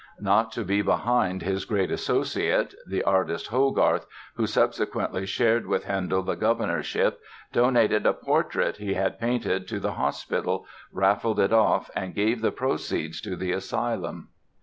Not to be behind his great associate, the artist, Hogarth, who subsequently shared with Handel the governorship, donated a portrait he had painted to the Hospital, raffled it off and gave the proceeds to the Asylum.